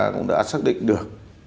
cũng đã xác định được